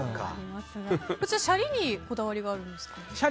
シャリにこだわりがあるんですかね。